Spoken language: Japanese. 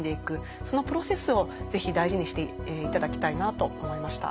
そのプロセスをぜひ大事にして頂きたいなと思いました。